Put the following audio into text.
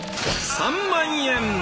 ３万円！